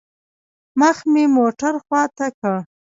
مخ مې موټر خوا ته كړ.